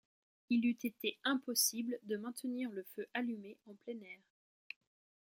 Il eût été impossible de maintenir le feu allumé en plein air.